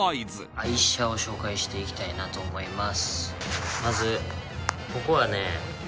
愛車を紹介してきたいなと思います。